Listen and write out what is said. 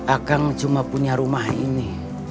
akang cuma punya rumah ini